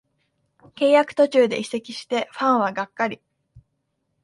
契約途中で移籍してファンはがっかり